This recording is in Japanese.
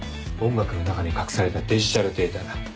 音楽の中に隠されたデジタルデータだ。